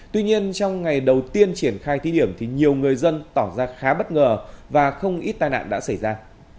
tuy nhiên trong ngày đầu tiên triển khai thí điểm thì nhiều người dân tỏ ra khá bất ngờ và không ít tai nạn đã xảy ra